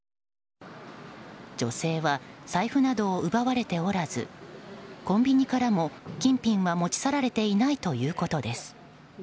女性は財布などを奪われておらずコンビニからも金品は持ちされていないということです。